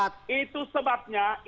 kita perlu kpk yang kuat